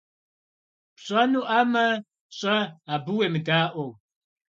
Пщӏэнуӏамэ, щӏэ, абы уемыдаӏуэу.